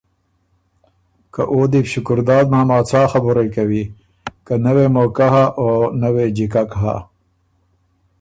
که او دی بو شکرداد ماما څا خبُرئ کوی که نۀ وې موقع هۀ او نۀ وې جیکک هۀ۔